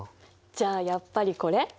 じゃあやっぱりこれ！？